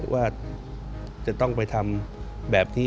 ว่าจะต้องไปทำแบบที่